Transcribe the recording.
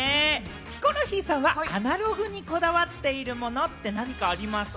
ヒコロヒーさんはアナログにこだわっているものって何かありますか？